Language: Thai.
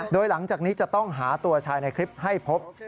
โดยหลังจากนี้จะต้องหาตัวชายในคลิปให้พบ